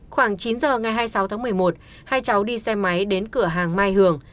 khoảng chín giờ ngày hai mươi sáu tháng một mươi một hai cháu đi xe máy đến cửa hàng mai hưởng